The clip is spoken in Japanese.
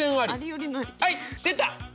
はい出た！